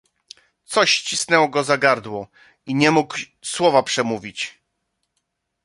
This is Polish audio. "coś ścisnęło go za gardło i nie mógł słowa przemówić."